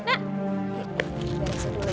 nanti beres dulu ya